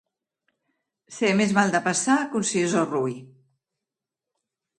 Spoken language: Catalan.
Ser més mal de passar que un sisó roí.